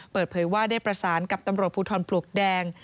เปิดเผยว่าได้ประสานกับตำรวจภูทรปลวกแดง